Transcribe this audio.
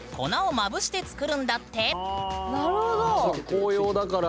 紅葉だから。